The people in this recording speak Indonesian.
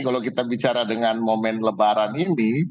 kalau kita bicara dengan momen lebaran ini